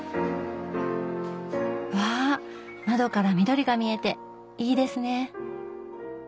わあ窓から緑が見えていいですね！